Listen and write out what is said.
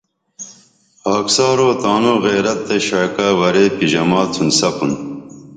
خاکسارو تانوں غیرت تہ شعکہ ورے پِژمال تُھن سپُن